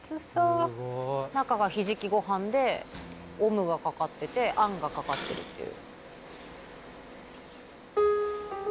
中がひじきご飯でオムがかかっててあんがかかってるっていう。